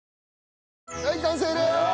はい完成です！